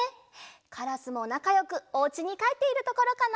カラスもなかよくおうちにかえっているところかな？